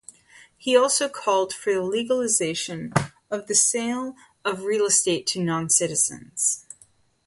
He also called for the legalisation of the sale of real estate to non-citizens.